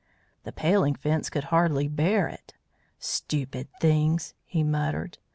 The Paling Fence could hardly bear it. "Stupid things!" he muttered.